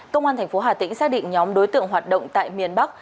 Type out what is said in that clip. công an tp hà tĩnh xác định nhóm đối tượng hoạt động tại miền bắc